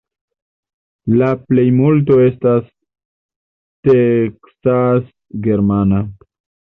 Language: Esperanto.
La plejmulto estas teksas-germana.